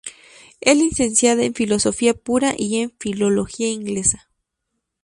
Es Licenciada en Filosofía Pura y en Filología Inglesa.